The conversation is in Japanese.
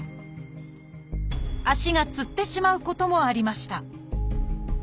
足がつってしまうこともありました